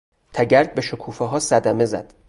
تگرگ به شکوفهها صدمه زد.